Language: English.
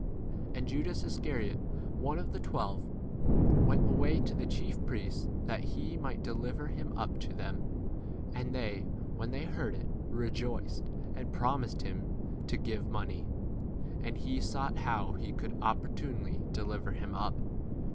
10 And JudasP Iscariote, one of the twelve, went away to the chief priests that he might deliver him 11 up to them j and they, when they heard it, rejoiced, and promised him to give money. And he sought how he could opportunely deliver him up.